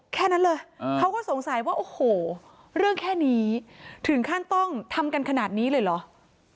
แค่นั้นเลยเขาก็สงสัยว่าโอ้โหเรื่องแค่นี้ถึงขั้นต้องทำกันขนาดนี้เลยเหรอ